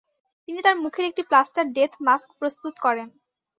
তিনি তার মুখের একটি প্লাস্টার ডেথ মাস্ক প্রস্তুত করেন।